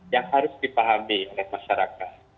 yang harus dipahami oleh masyarakat